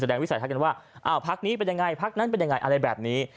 วิสัยทัศน์กันว่าอ้าวพักนี้เป็นยังไงพักนั้นเป็นยังไงอะไรแบบนี้